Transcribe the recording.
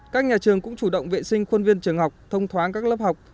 các nhà trường cũng chủ động vệ sinh khuôn viên trường học thông thoáng các lớp học